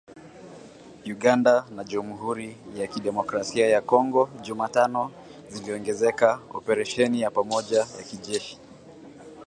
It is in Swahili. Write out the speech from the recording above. Uganda na Jamhuri ya Kidemokrasia ya Kongo Jumatano ziliongeza operesheni ya pamoja ya kijeshi.